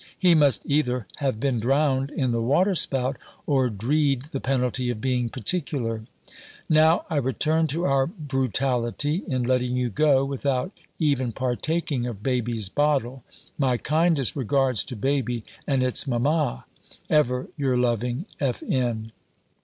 He must either have been drowned in the water spout, or dree'd the penalty of being particular. Now I return to our brutality in letting you go without even partaking of "Baby's bottle." My kindest regards to Baby and its Mama. Ever your loving F. N.